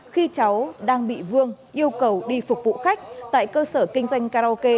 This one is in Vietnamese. khi cháu đang bị vương yêu cầu đi phục vụ khách tại cơ sở kinh doanh karaoke